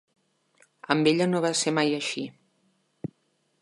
Amb ella no va ser mai així.